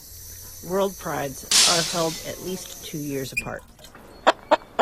WorldPrides are held at least two years apart.